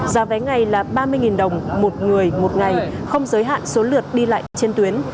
giá vé ngày là ba mươi đồng một người một ngày không giới hạn số lượt đi lại trên tuyến